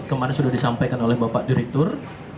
kemarin sudah disampaikan oleh bapak direktur